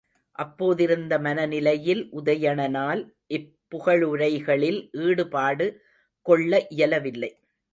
அப்போதிருந்த மனநிலையில் உதயணனால் இப் புகழுரைகளில் ஈடுபாடு கொள்ள இயலவில்லை.